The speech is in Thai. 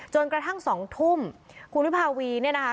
จนกระทั่งสองทุ่มคุณวิภาวีเนี่ยนะคะ